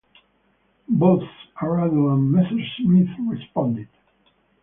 Both Arado and Messerschmitt responded.